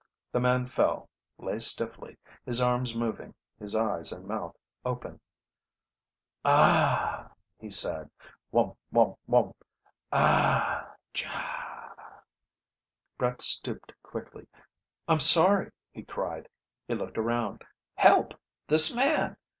The man fell, lay stiffly, his arms moving, his eyes and mouth open. "Ahhhhh," he said. "Whum whum whum. Awww, jawww ..." Brett stooped quickly. "I'm sorry," he cried. He looked around. "Help! This man